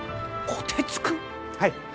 はい。